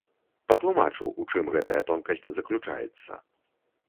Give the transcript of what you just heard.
Патлумачу, у чым гэтая тонкасць заключаецца.